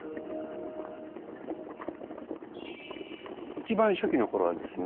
一番初期の頃はですね